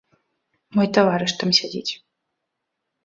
Мой таварыш там сядзіць.